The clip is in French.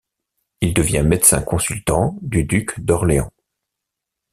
Il devient médecin consultant du Duc d'Orléans.